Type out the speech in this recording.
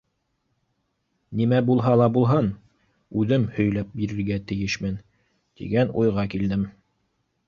Нимә булһа ла булһын, үҙем һөйләп бирергә тейешмен, тигән уйға килдем.